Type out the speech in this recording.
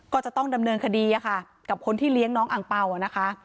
ก็จะต้องดำเนินคดีกับคนที่เลี้ยงน้องอังเปล่านะคะ